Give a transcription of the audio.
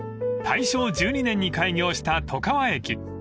［大正１２年に開業した外川駅］